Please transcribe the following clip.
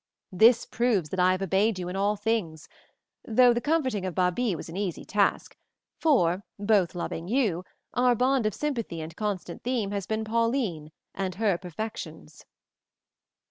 This proves that I have obeyed you in all things, though the comforting of Babie was an easy task, for, both loving you, our bond of sympathy and constant theme has been Pauline and her perfections."